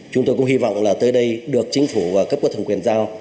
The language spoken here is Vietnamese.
chúng tôi cũng hy vọng là tới đây được chính phủ cấp quật thần quyền giao